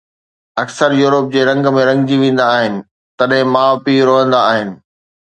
اڪثر يورپ جي رنگ ۾ رنگجي ويندا آهن، تڏهن ماءُ پيءُ روئندا آهن